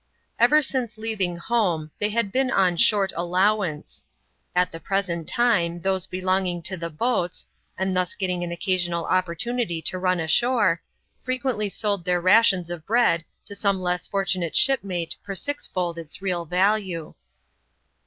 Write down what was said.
Ever since leaving home, they had been on " short allowance." At the present time, those belonging to the boats — and thus getting an occasional opportunity to run ashore — frequently sold their raticms of bread to some less fortunate shipmate for sixfold its real value.